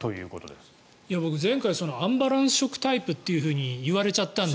前回、僕アンバランス食タイプと言われちゃったんで。